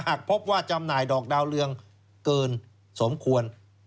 พบว่าจำหน่ายดอกดาวเรืองเกินสมควร